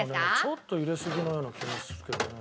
ちょっと入れすぎのような気もするけどな。